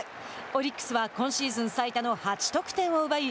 オリックスは今シーズン最多の８得点を奪い